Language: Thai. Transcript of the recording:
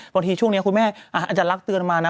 ช่วงนี้คุณแม่อาจารย์ลักษ์เตือนมานะ